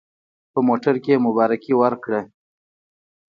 په موټر کې مبارکي ورکړه.